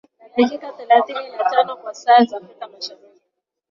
na dakika thelathini na tano kwa saa za afrika ya mashariki